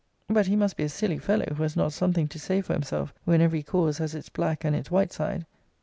But he must be a silly fellow who has not something to say for himself, when every cause has its black and its white side.